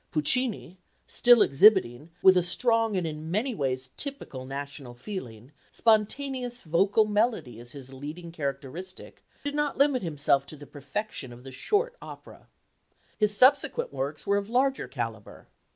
Puccini, still exhibiting, with a strong and in many ways typical national feeling, spontaneous vocal melody as his leading characteristic, did not limit himself to the perfection of the short opera. His subsequent works were of larger calibre.